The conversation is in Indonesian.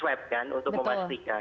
pemeriksaan swab kan untuk memastikan